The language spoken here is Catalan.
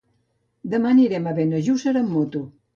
Demà anirem a Benejússer amb moto.